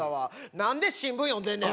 何で新聞読んでんねん。